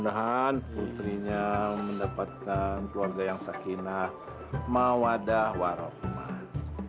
dan putrinya mendapatkan keluarga yang sekinah mawadah warohmat